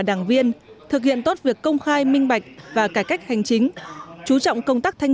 đảng viên thực hiện tốt việc công khai minh bạch và cải cách hành chính chú trọng công tác thanh